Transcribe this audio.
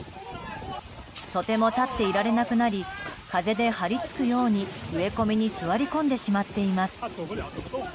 とても立っていられなくなり風で張り付くように、植え込みに座り込んでしまっています。